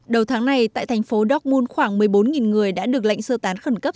đầu tháng này tại thành phố dorcmund khoảng một mươi bốn người đã được lệnh sơ tán khẩn cấp